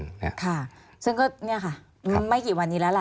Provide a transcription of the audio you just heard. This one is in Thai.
ค่ะซึ่งก็เนี่ยค่ะไม่กี่วันนี้แล้วล่ะ